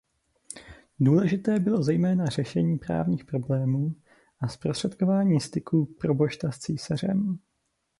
Důležité bylo zejména řešení právních problémů a zprostředkování styků probošta s císařem.